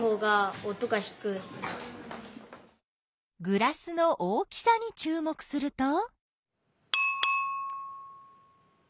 グラスの大きさにちゅう目すると？